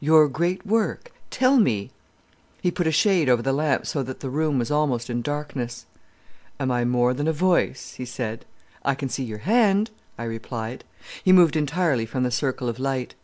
"Your great work? Tell me." He put a shade over the lamp so that the room was almost in darkness. "Am I more than a voice?" he asked. "I can see your hand," I replied. He moved entirely from the circle of light.